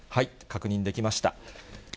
確認できました。